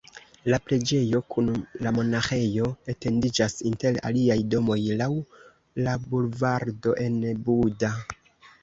La preĝejo kun la monaĥejo etendiĝas inter aliaj domoj laŭ la bulvardo en Buda.